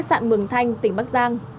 khách sạn mường thanh tỉnh bắc giang